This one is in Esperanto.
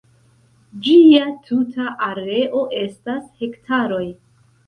Ĝia tuta areo estas hektaroj.